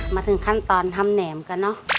มาถึงขั้นตอนทำแหนมกันเนอะ